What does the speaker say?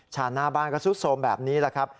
ชานหน้าบ้านก็ซุดสมแบบนี้ละครับ